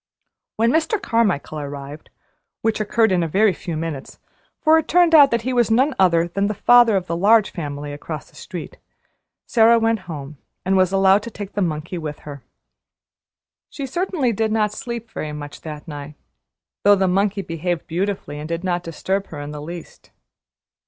When Mr. Carmichael arrived (which occurred in a very few minutes, for it turned out that he was no other than the father of the Large Family across the street), Sara went home, and was allowed to take the monkey with her. She certainly did not sleep very much that night, though the monkey behaved beautifully, and did not disturb her in the least.